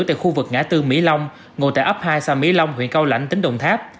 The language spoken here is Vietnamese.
tại khu vực ngã tư mỹ long ngụ tại ấp hai xã mỹ long huyện cao lãnh tỉnh đồng tháp